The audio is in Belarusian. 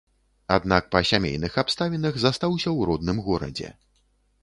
Аднак па сямейных абставінах застаўся ў родным горадзе.